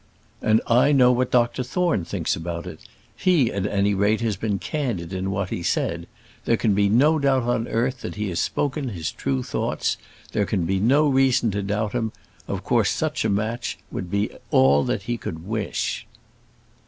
"And I know what Dr Thorne thinks about it; he, at any rate, has been candid in what he said; there can be no doubt on earth that he has spoken his true thoughts; there can be no reason to doubt him: of course such a match would be all that he could wish."